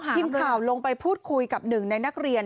ทีมข่าวลงไปพูดคุยกับหนึ่งในนักเรียน